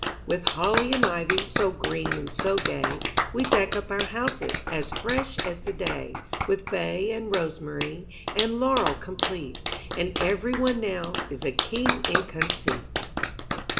With holly and ivy So green and so gay, We deck up our houses As fresh as the day; With bay and rosemary And laurel complete; And every one now Is a king in conceit.